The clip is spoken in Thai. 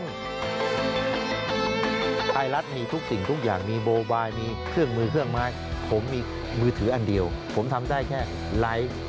งั้นมาหกศูนย์ได้เห็นคุณชูวินเป็นพิธีกร